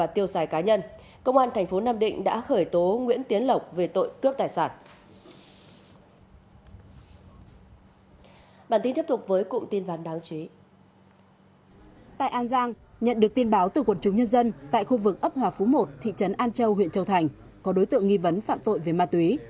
tại an giang nhận được tin báo từ quần chúng nhân dân tại khu vực ấp hòa phú một thị trấn an châu huyện châu thành có đối tượng nghi vấn phạm tội về ma túy